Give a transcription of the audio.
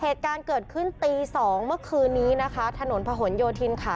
เหตุการณ์เกิดขึ้นตีสองเมื่อคืนนี้นะคะถนนผนโยธินค่ะ